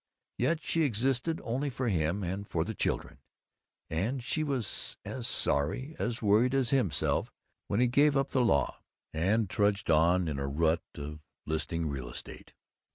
Yet she existed only for him and for the children, and she was as sorry, as worried as himself, when he gave up the law and trudged on in a rut of listing real estate.